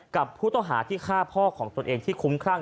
กับผู้ต้องหาที่ฆ่าพ่อของตนเองที่คุ้มครั่ง